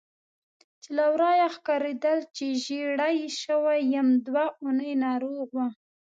چې له ورایه ښکارېدل چې ژېړی شوی یم، دوه اونۍ ناروغ وم.